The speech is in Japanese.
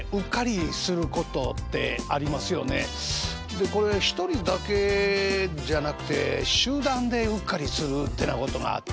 でこれ一人だけじゃなくて集団でうっかりするってなことがあってね